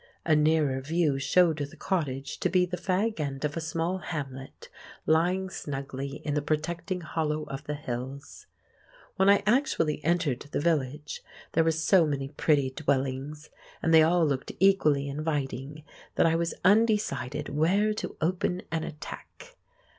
A nearer view showed the cottage to be the fag end of a small hamlet lying snugly in the protecting hollow of the hills. When I actually entered the village, there were so many pretty dwellings, and they all looked equally inviting, that I was undecided where to open an attack.